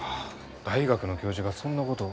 大学の教授がそんなことを。